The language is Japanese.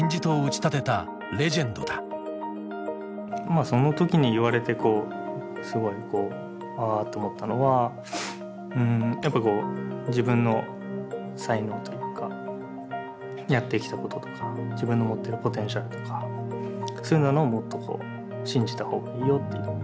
まあその時に言われてすごいこう「ああ」と思ったのはやっぱこう自分の才能というかやってきたこととか自分の持ってるポテンシャルとかそういうなのをもっとこう信じたほうがいいよっていう。